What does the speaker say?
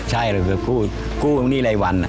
ใช่ก็คือกู้หนี้อะไรวัน